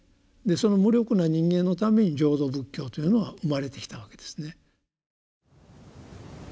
その無力な人間のために浄土仏教というのは生まれてきたわけですね。